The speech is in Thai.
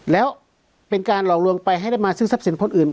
แล้วเป็นการหลอกลวงไปให้ได้มาซื้อทรัพย์สินคนอื่น